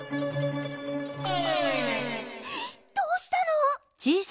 どうしたの！？